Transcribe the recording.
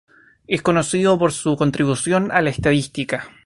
Es conocido por su contribución a la estadística.